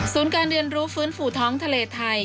การเรียนรู้ฟื้นฟูท้องทะเลไทย